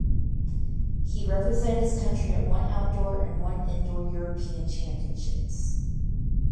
He represented his country at one outdoor and one indoor European Championships.